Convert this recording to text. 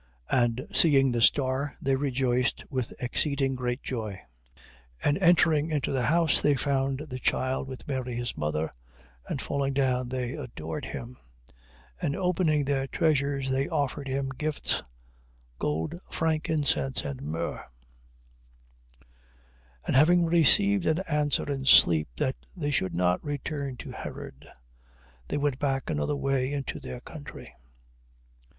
2:10. And seeing the star they rejoiced with exceeding great joy. 2:11. And entering into the house, they found the child with Mary his mother, and falling down they adored him: and opening their treasures, they offered him gifts; gold, frankincense, and myrrh. 2:12. And having received an answer in sleep that they should not return to Herod, they went back another way into their country.